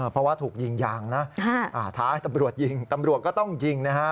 เพราะว่าถูกยิงยางนะท้าให้ตำรวจยิงตำรวจก็ต้องยิงนะฮะ